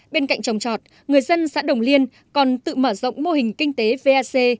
bên cạnh trồng trọt người dân xã đồng liên còn tự mở rộng mô hình kinh tế vac